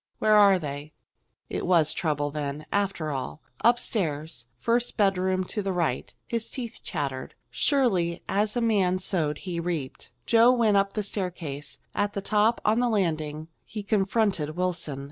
Where are they?" It was trouble then, after all! "Upstairs first bedroom to the right." His teeth chattered. Surely, as a man sowed he reaped. Joe went up the staircase. At the top, on the landing, he confronted Wilson.